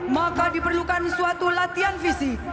maka diperlukan suatu latihan fisik